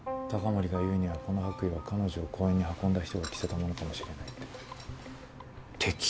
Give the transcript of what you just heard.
高森が言うにはこの白衣は彼女を公園に運んだ人が着せたものかもしれないって。